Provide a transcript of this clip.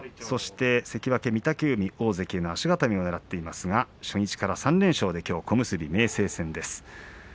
そして関脇御嶽海、大関への足固めとなっていますが初日から３連勝できょう小結明生戦です。